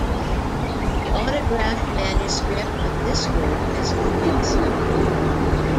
The autograph manuscript of this work has newly discovered.